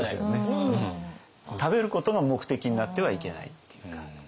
食べることが目的になってはいけないっていうか。